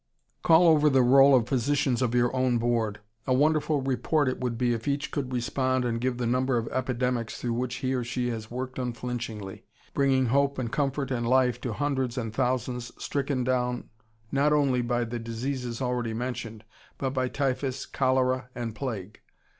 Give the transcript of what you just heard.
Call over the roll of physicians of your own Board. A wonderful report it would be if each could respond and give the number of epidemics through which he or she has worked unflinchingly, bringing hope and comfort and life to hundreds and thousands stricken down not only by the diseases already mentioned but by typhus, cholera, and plague.